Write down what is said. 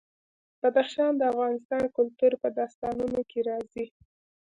بدخشان د افغان کلتور په داستانونو کې راځي.